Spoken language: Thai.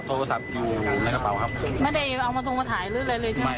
โทรศัพท์อยู่ในกระเป๋าครับไม่ได้เอามาตรงมาถ่ายหรืออะไรเลยใช่ไหม